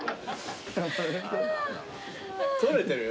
撮れてる？